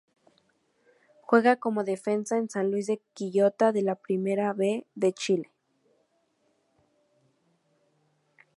Juega como defensa en San Luis de Quillota de la Primera B de Chile.